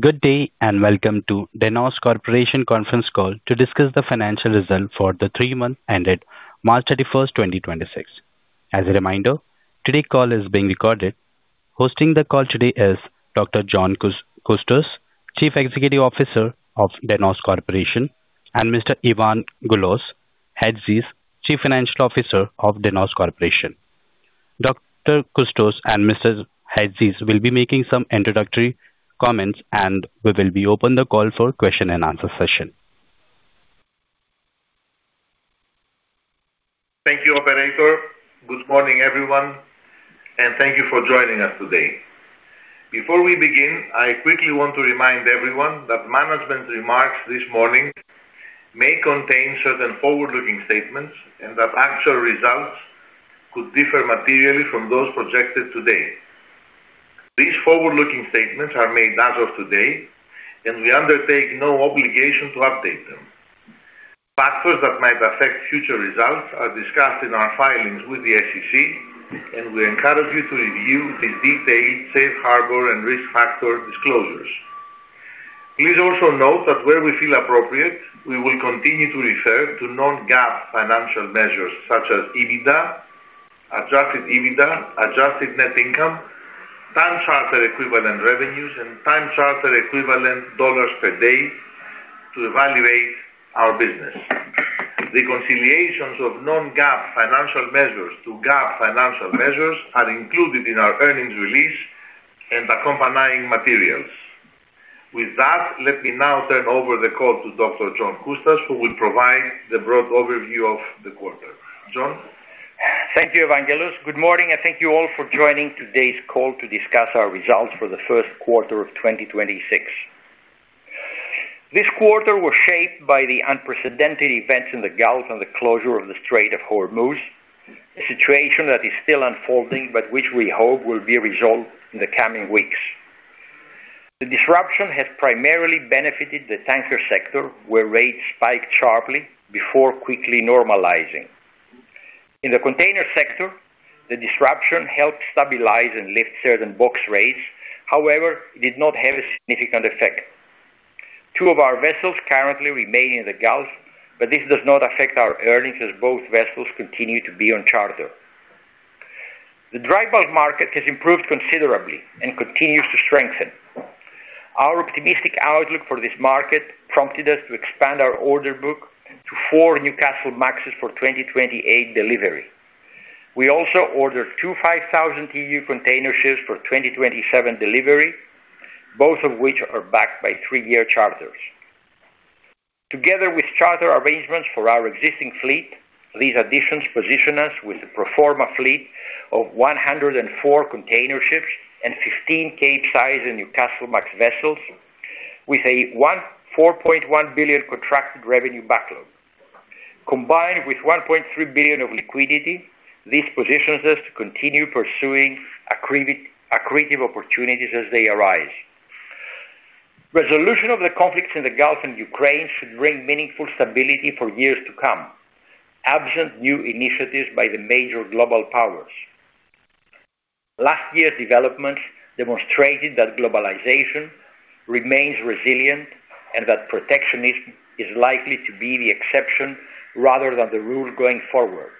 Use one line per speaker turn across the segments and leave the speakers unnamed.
Good day, welcome to Danaos Corporation Conference Call to discuss the financial results for the three-month ended March 31st, 2026. As a reminder, today's call is being recorded. Hosting the call today is Dr. John Coustas, Chief Executive Officer of Danaos Corporation, and Mr. Evangelos Chatzis, Chief Financial Officer of Danaos Corporation. Dr. Coustas and Mr. Chatzis will be making some introductory comments, and we will be open the call for question and answer session.
Thank you, operator. Good morning, everyone, and thank you for joining us today. Before we begin, I quickly want to remind everyone that management remarks this morning may contain certain forward-looking statements and that actual results could differ materially from those projected today. These forward-looking statements are made as of today, and we undertake no obligation to update them. Factors that might affect future results are discussed in our filings with the SEC, and we encourage you to review these detailed safe harbor and risk factor disclosures. Please also note that where we feel appropriate, we will continue to refer to non-GAAP financial measures such as EBITDA, Adjusted EBITDA, Adjusted Net Income, time charter equivalent revenues, and time charter equivalent dollars per day to evaluate our business. The reconciliations of non-GAAP financial measures to GAAP financial measures are included in our earnings release and accompanying materials. With that, let me now turn over the call to Dr. John Coustas, who will provide the broad overview of the quarter. John.
Thank you, Evangelos. Good morning, and thank you all for joining today's call to discuss our results for the first quarter of 2026. This quarter was shaped by the unprecedented events in the Gulf and the closure of the Strait of Hormuz, a situation that is still unfolding, but which we hope will be resolved in the coming weeks. The disruption has primarily benefited the tanker sector, where rates spiked sharply before quickly normalizing. In the container sector, the disruption helped stabilize and lift certain box rates. However, it did not have a significant effect. Two of our vessels currently remain in the Gulf, but this does not affect our earnings as both vessels continue to be on charter. The dry bulk market has improved considerably and continues to strengthen. Our optimistic outlook for this market prompted us to expand our order book to four Newcastlemaxes for 2028 delivery. We also ordered two 5,000 TEU containerships for 2027 delivery, both of which are backed by three-year charters. Together with charter arrangements for our existing fleet, these additions position us with a pro forma fleet of 104 containerships and 15 Capesize and Newcastlemax vessels with a $4.1 billion contracted revenue backlog. Combined with $1.3 billion of liquidity, this positions us to continue pursuing accretive opportunities as they arise. Resolution of the conflicts in the Gulf and Ukraine should bring meaningful stability for years to come, absent new initiatives by the major global powers. Last year's developments demonstrated that globalization remains resilient and that protectionism is likely to be the exception rather than the rule going forward.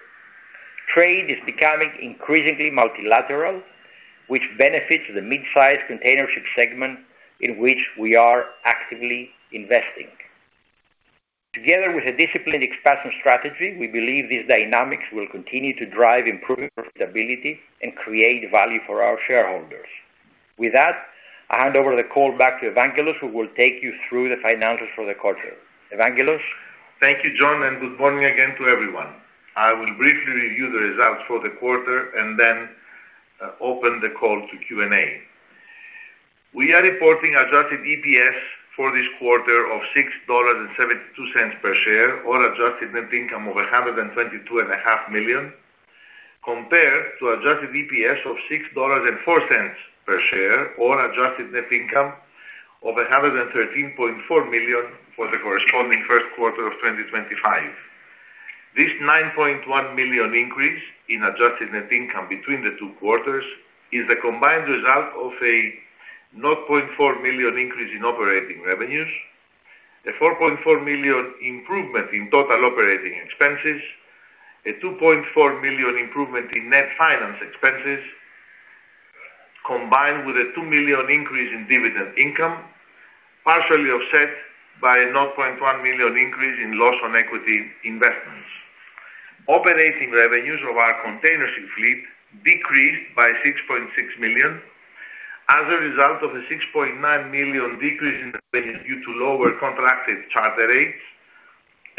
Trade is becoming increasingly multilateral, which benefits the mid-sized containership segment in which we are actively investing. Together with a disciplined expansion strategy, we believe these dynamics will continue to drive improved profitability and create value for our shareholders. With that, I hand over the call back to Evangelos, who will take you through the financials for the quarter. Evangelos.
Thank you, John, and good morning again to everyone. I will briefly review the results for the quarter and then open the call to Q&A. We are reporting Adjusted EPS for this quarter of $6.72 per share or adjusted net income of $122.5 million, compared to Adjusted EPS of $6.04 per share or adjusted net income of $113.4 million for the corresponding first quarter of 2025. This $9.1 million increase in adjusted net income between the two quarters is the combined result of a $0.4 million increase in operating revenues, a $4.4 million improvement in total operating expenses, a $2.4 million improvement in net finance expenses, combined with a $2 million increase in dividend income, partially offset by a $0.1 million increase in loss on equity investments. Operating revenues of our containership fleet decreased by $6.6 million as a result of a $6.9 million decrease in revenues due to lower contracted charter rates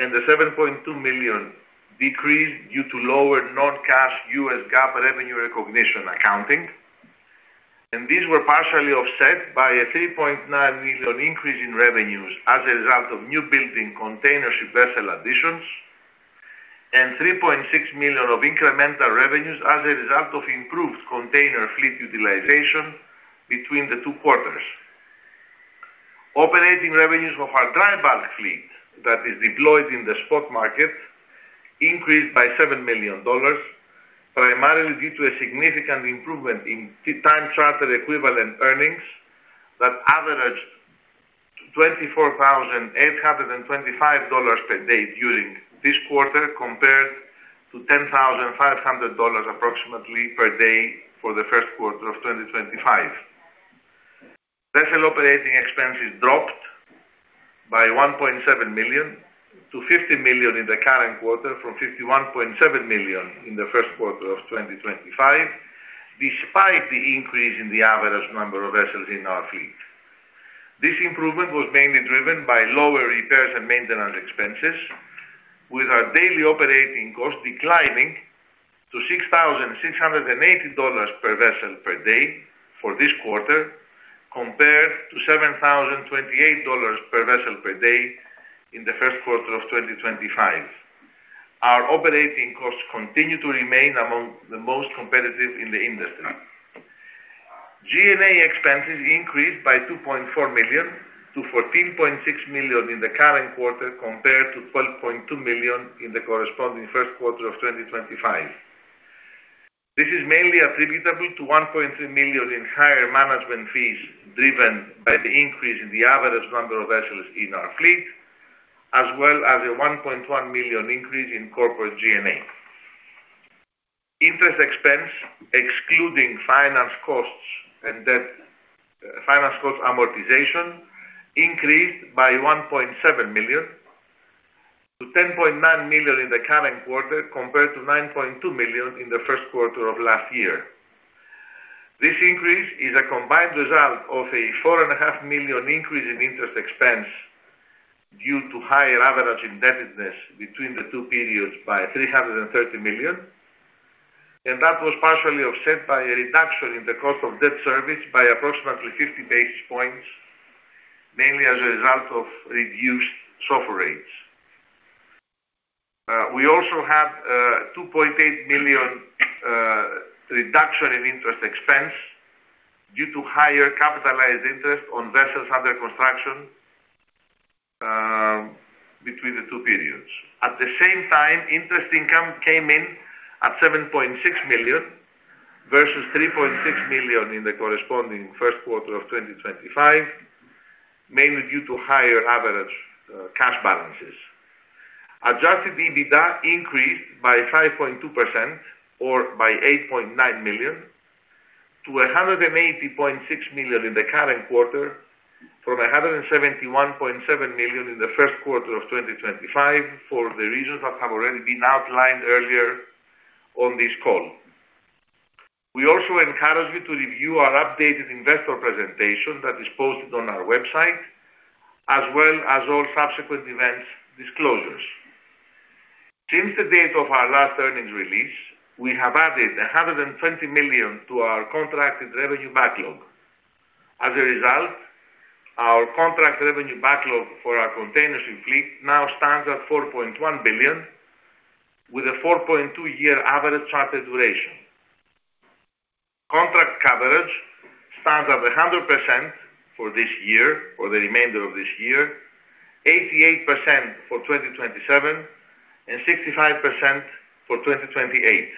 and the $7.2 million decrease due to lower non-cash US GAAP revenue recognition accounting. These were partially offset by a 3.9 million increase in revenues as a result of new building containership vessel additions and 3.6 million of incremental revenues as a result of improved container fleet utilization between the two quarters. Operating revenues of our dry bulk fleet that is deployed in the spot market increased by $7 million, primarily due to a significant improvement in time charter equivalent earnings that averaged $24,825 per day during this quarter compared to $10,500 approximately per day for the first quarter of 2025. Vessel operating expenses dropped by $1.7 million to 50 million in the current quarter from $51.7 million in the first quarter of 2025, despite the increase in the average number of vessels in our fleet. This improvement was mainly driven by lower repairs and maintenance expenses, with our daily operating costs declining to $6,680 per vessel per day for this quarter compared to $7,028 per vessel per day in the first quarter of 2025. Our operating costs continue to remain among the most competitive in the industry. G&A expenses increased by $2.4 million to $14.6 million in the current quarter compared to $12.2 million in the corresponding first quarter of 2025. This is mainly attributable to $1.3 million in higher management fees driven by the increase in the average number of vessels in our fleet, as well as a $1.1 million increase in corporate G&A. Interest expense, excluding finance costs and debt, finance cost amortization increased by $1.7 million to 10.9 million in the current quarter compared to $9.2 million in the first quarter of last year. This increase is a combined result of a four and a half million increase in interest expense due to higher average indebtedness between the two periods by $330 million, and that was partially offset by a reduction in the cost of debt service by approximately 50 basis points, mainly as a result of reduced SOFR rates. We also have a $2.8 million reduction in interest expense due to higher capitalized interest on vessels under construction between the two periods. At the same time, interest income came in at $7.6 million versus 3.6 million in the corresponding first quarter of 2025, mainly due to higher average cash balances. Adjusted EBITDA increased by 5.2% or by $8.9 million to 180.6 million in the current quarter from $171.7 million in the first quarter of 2025 for the reasons that have already been outlined earlier on this call. We also encourage you to review our updated investor presentation that is posted on our website, as well as all subsequent events disclosures. Since the date of our last earnings release, we have added $120 million to our contracted revenue backlog. Our contract revenue backlog for our containership fleet now stands at $4.1 billion, with a 4.2-year average charter duration. Contract coverage stands at 100% for this year or the remainder of this year, 88% for 2027, and 65% for 2028.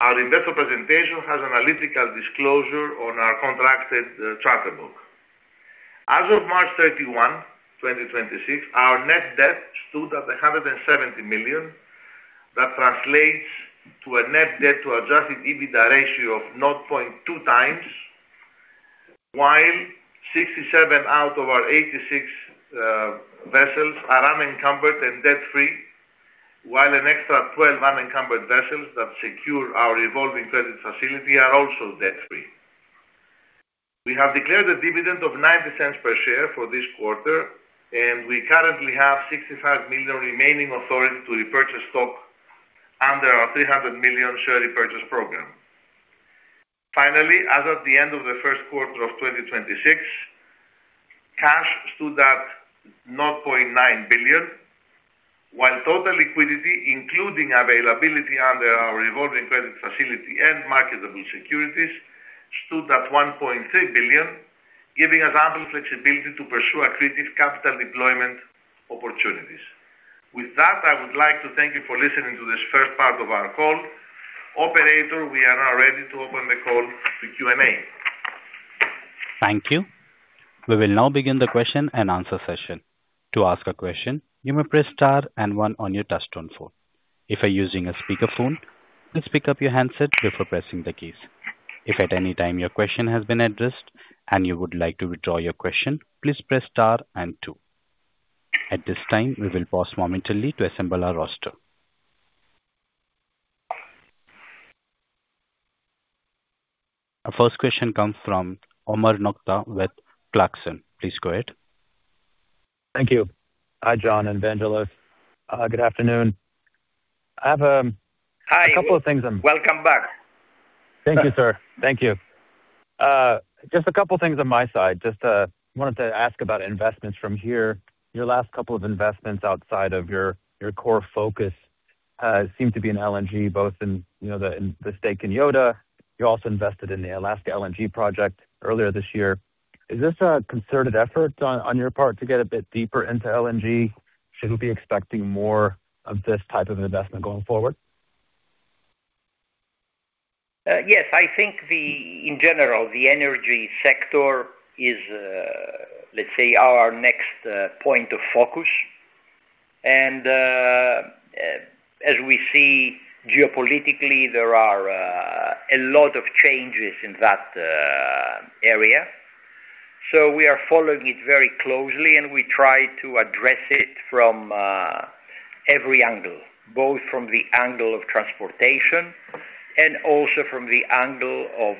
Our investor presentation has analytical disclosure on our contracted charter book. As of March 31, 2026, our net debt stood at $170 million. That translates to a net debt to Adjusted EBITDA ratio of 0.2x, while 67 out of our 86 vessels are unencumbered and debt-free, while an extra 12 unencumbered vessels that secure our revolving credit facility are also debt-free. We have declared a dividend of $0.09 per share for this quarter, and we currently have $65 million remaining authority to repurchase stock under our $300 million Share Repurchase Program. Finally, as of the end of the first quarter of 2026, cash stood at $0.9 billion, while total liquidity, including availability under our revolving credit facility and marketable securities, stood at $1.3 billion, giving us ample flexibility to pursue accretive capital deployment opportunities. With that, I would like to thank you for listening to this first part of our call. Operator, we are now ready to open the call to Q&A.
Thank you. We will now begin the question and answer session. To ask a question, you may press star one on your touch tone phone. If you're using a speakerphone, please pick up your handset before pressing the keys. If at any time your question has been addressed and you would like to withdraw your question, please press star two. At this time, we will pause momentarily to assemble our roster. Our first question comes from Omar Nokta with Clarksons. Please go ahead.
Thank you. Hi, John and Evangelos. Good afternoon.
Hi.
A couple of things.
Welcome back.
Thank you, sir. Thank you. Just a couple of things on my side. Just wanted to ask about investments from here, your last couple of investments outside of your core focus seem to be in LNG, both in, you know, the, in the stake in Yoda. You also invested in the Alaska LNG project earlier this year. Is this a concerted effort on your part to get a bit deeper into LNG? Should we be expecting more of this type of investment going forward?
Yes. I think in general, the energy sector is, let's say, our next point of focus. As we see geopolitically, there are a lot of changes in that area. We are following it very closely, and we try to address it from every angle, both from the angle of transportation and also from the angle of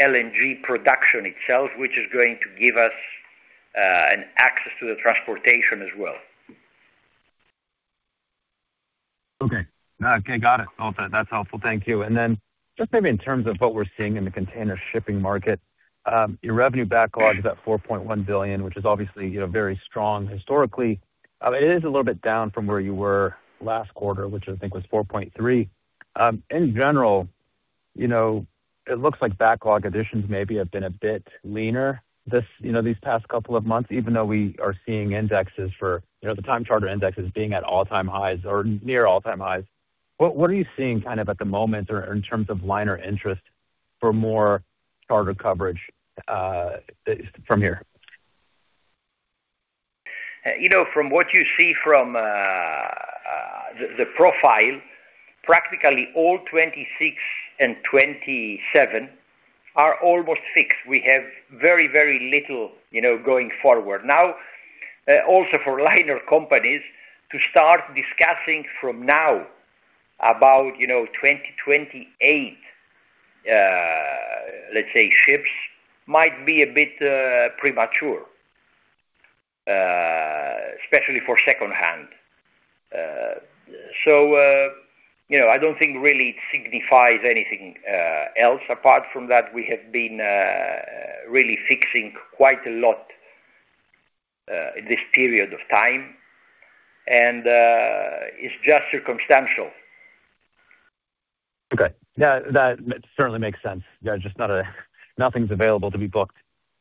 LNG production itself, which is going to give us an access to the transportation as well.
Okay, got it. Well, that's helpful. Thank you. Then just maybe in terms of what we're seeing in the container shipping market, your revenue backlog is at $4.1 billion, which is obviously, you know, very strong historically. It is a little bit down from where you were last quarter, which I think was $4.3 billion. In general, you know, it looks like backlog additions maybe have been a bit leaner this, you know, these past couple of months, even though we are seeing indexes for, you know, the time charter indexes being at all-time highs or near all-time highs. What are you seeing kind of at the moment or in terms of liner interest for more charter coverage from here?
You know, from what you see from the profile, practically all 2026 and 2027 are almost fixed. We have very, very little, you know, going forward. Also for liner companies to start discussing from now about, you know, 2028, let's say ships might be a bit premature, especially for second-hand. You know, I don't think really it signifies anything else. Apart from that, we have been really fixing quite a lot in this period of time, and it's just circumstantial.
Okay. Yeah, that certainly makes sense. There's just Nothing's available to be booked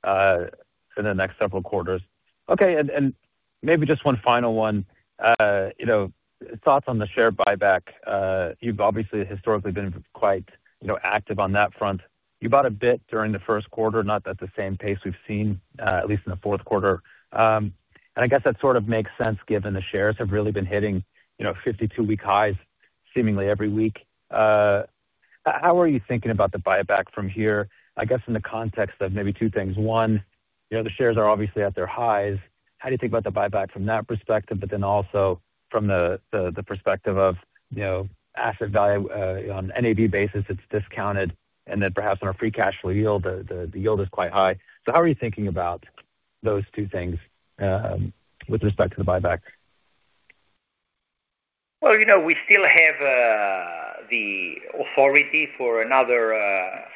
in the next several quarters. Okay, maybe just one final one. You know, thoughts on the share buyback. You've obviously historically been quite, you know, active on that front. You bought a bit during the first quarter, not at the same pace we've seen, at least in the fourth quarter. I guess that sort of makes sense given the shares have really been hitting, you know, 52-week highs seemingly every week. How are you thinking about the buyback from here? I guess in the context of maybe two things. One, you know, the shares are obviously at their highs. How do you think about the buyback from that perspective? Also from the perspective of, you know, asset value, on NAV basis, it's discounted, and then perhaps on a free cash flow yield, the yield is quite high. How are you thinking about those two things with respect to the buyback?
Well, you know, we still have the authority for another.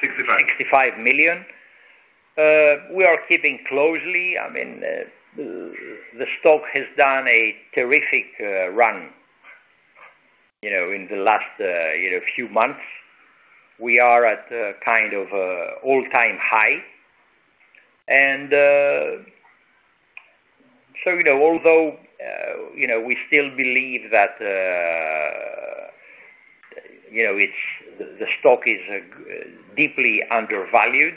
$65 million.
$65 million. We are keeping closely. I mean, the stock has done a terrific run, you know, in the last, you know, few months. We are at kind of all-time high. Although, you know, we still believe that, you know, the stock is deeply undervalued,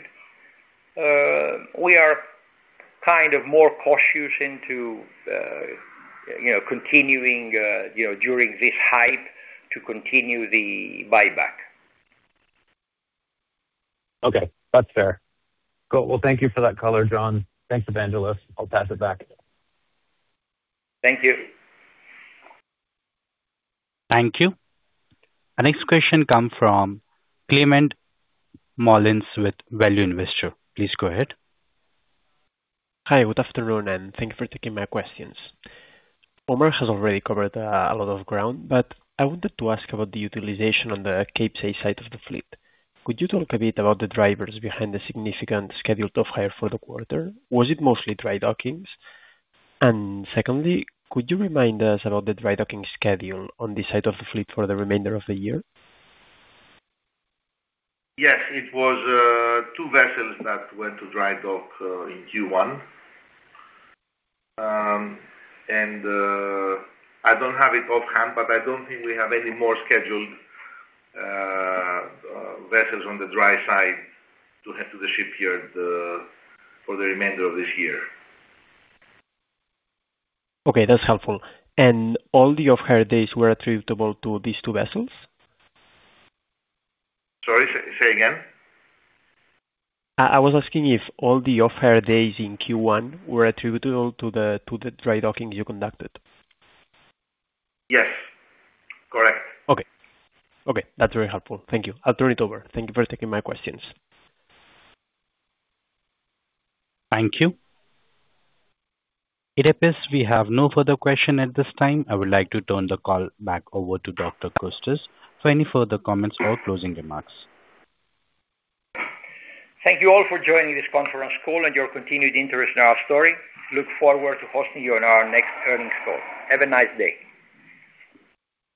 we are kind of more cautious into, you know, continuing, you know, during this hype to continue the buyback.
Okay. That's fair. Cool. Well, thank you for that color, John. Thanks, Evangelos. I'll pass it back.
Thank you.
Thank you. Our next question come from Climent Molins with Value Investor. Please go ahead.
Hi, good afternoon, and thank you for taking my questions. Omar has already covered a lot of ground, but I wanted to ask about the utilization on the capesize side of the fleet. Could you talk a bit about the drivers behind the significant scheduled offhire for the quarter? Was it mostly drydockings? Secondly, could you remind us about the drydocking schedule on this side of the fleet for the remainder of the year?
Yes. It was two vessels that went to drydock in Q1. I don't have it offhand, but I don't think we have any more scheduled vessels on the dry side to head to the shipyard for the remainder of this year.
Okay, that's helpful. All the offhire days were attributable to these two vessels?
Sorry, say again?
I was asking if all the offhire days in Q1 were attributable to the drydocking you conducted?
Yes. Correct.
Okay. Okay, that's very helpful. Thank you. I'll turn it over. Thank you for taking my questions.
Thank you. It appears we have no further question at this time. I would like to turn the call back over to Dr. Coustas for any further comments or closing remarks.
Thank you all for joining this conference call and your continued interest in our story. Look forward to hosting you on our next earnings call. Have a nice day.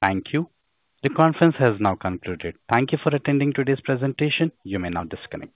Thank you. The conference has now concluded. Thank you for attending today's presentation. You may now disconnect.